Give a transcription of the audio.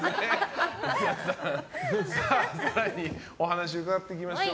更にお話伺っていきましょう。